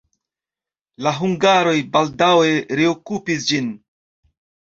La hungaroj baldaŭe reokupis ĝin.